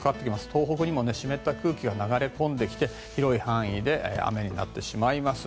東北にも湿った空気が流れ込んできて広い範囲で雨になってしまいます。